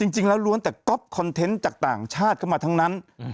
จริงแล้วล้วนแต่ก๊อปคอนเทนต์จากต่างชาติเข้ามาทั้งนั้น